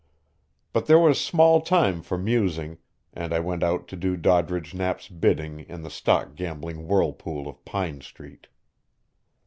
But there was small time for musing, and I went out to do Doddridge Knapp's bidding in the stock gambling whirlpool of Pine Street.